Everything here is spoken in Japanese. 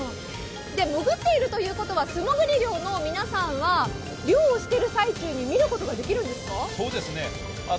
もぐっているということは素もぐり漁の皆さんは漁をしている最中に見ることができるんですか？